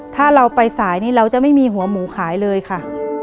ถ้าเราไปสายนี้เราจะไม่มีหัวหมูขายเลยค่ะ